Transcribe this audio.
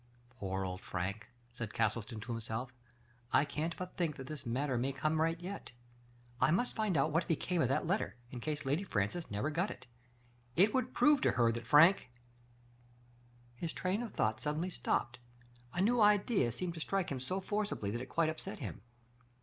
" Poor old Frank! " said Castleton to himself. " I can't but think that this matter may come right yet. I must find out what became of that letter, in case Lady Francis never got it. It would prove to her that Frank " His train of thought suddenly stopped. A new idea seemed to strike him so forcibly that it quite upset him.